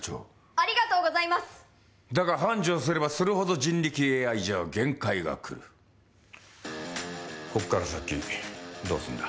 ありがとうございますだが繁盛すればするほど人力ＡＩじゃ限界がくるこっから先どうすんだ？